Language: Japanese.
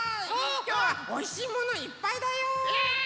きょうはおいしいものいっぱいだよ！え！